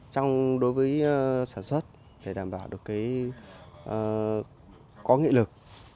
trong đối với sản xuất để đảm bảo được cái có nghị lực